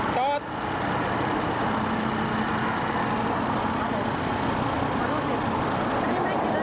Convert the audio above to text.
เซทไม่กินอะไรได้หน่อยเหรอ